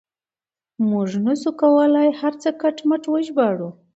موږ نه شو کولای هر څه کټ مټ وژباړو.